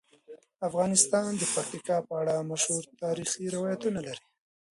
افغانستان د پکتیکا په اړه مشهور تاریخی روایتونه لري.